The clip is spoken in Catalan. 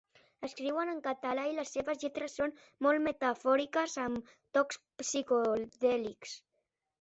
Escriuen en català i les seves lletres són molt metafòriques amb tocs psicodèlics.